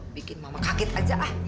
bikin mama kaget aja ah